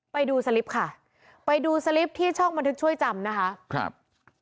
ไปดูสลิปค่ะไปดูสลิปที่ช่องบันทึกช่วยจำนะคะครับ